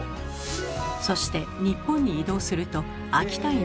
そして日本に移動すると秋田犬柴犬に。